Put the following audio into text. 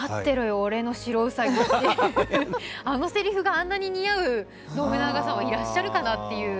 俺の白兎あのせりふがあんなに似合う信長さんはいらっしゃるかなっていう。